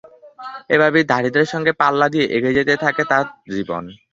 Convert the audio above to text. এভাবেই দারিদ্র্যের সঙ্গে পাল্লা দিয়ে এগিয়ে যেতে থাকে তার জীবন।